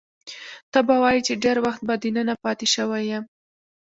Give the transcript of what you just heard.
ته به وایې چې ډېر وخت به دننه پاتې شوی یم.